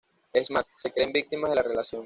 Es más, se creen víctimas de la relación.